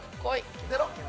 出ろ！